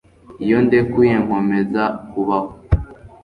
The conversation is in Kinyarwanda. iyo ndekuye nkomeza kubaho